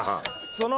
その。